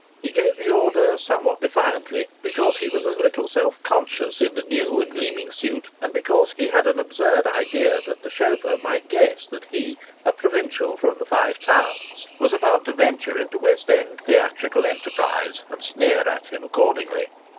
He gave the order somewhat defiantly, because he was a little self conscious in the new and gleaming suit, and because he had an absurd idea that the chauffeur might guess that he, a provincial from the Five Towns, was about to venture into West End theatrical enterprise and sneer at him accordingly.